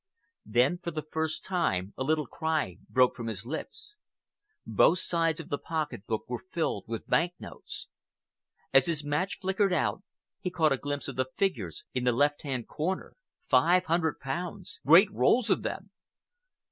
Then, for the first time, a little cry broke from his lips. Both sides of the pocket book were filled with bank notes. As his match flickered out, he caught a glimpse of the figures in the left hand corner—500 pounds!—great rolls of them!